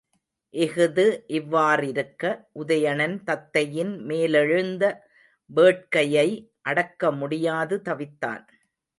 இஃது இவ்வாறிருக்க, உதயணன் தத்தையின் மேலெழுந்த வேட்கையை அடக்க முடியாது தவித்தான்.